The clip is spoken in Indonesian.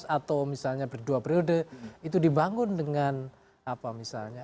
atau misalnya berdua periode itu dibangun dengan apa misalnya